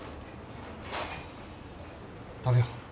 食べよう。